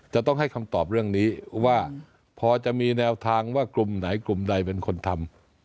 จะต้องให้คำตอบเรื่องนี้ว่าพอจะมีแนวทางว่ากลุ่มไหนกลุ่มใดเป็นคนทำ